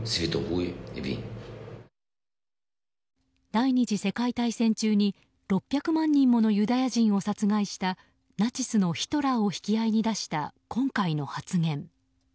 第２次世界大戦中に６００万人ものユダヤ人を殺害したナチスのヒトラーを引き合いに出した今回の発言。